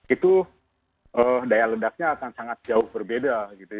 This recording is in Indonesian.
itu daya ledaknya akan sangat jauh berbeda